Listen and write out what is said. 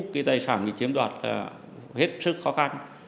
cái tài sản để chiếm đoạt là hết sức khó khăn